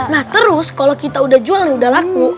nah terus kalau kita udah jual nih udah laku